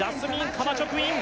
・カマチョクイン